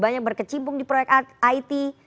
banyak berkecimpung di proyek it